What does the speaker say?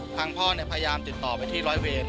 ทางพ่อพยายามติดต่อไปที่ร้อยเวร